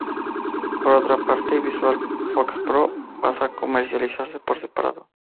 Por otra parte, Visual FoxPro pasa a comercializarse por separado.